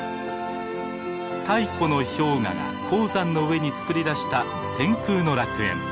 太古の氷河が高山の上に作りだした天空の楽園。